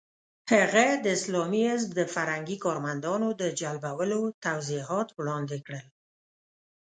هغه د اسلامي حزب د فرهنګي کارمندانو د جلبولو توضیحات وړاندې کړل.